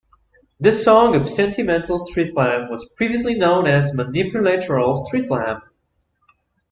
The song "Absentimental: Street Clam" was previously known as "Manipulateral: Street Clam".